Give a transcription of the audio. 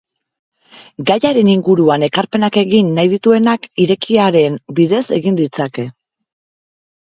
Gaiaren inguruan ekarpenak egin nahi dituenak irekiaren bidez egin ditzake.